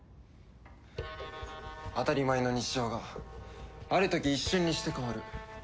当たり前の日常がある時一瞬にして変わる。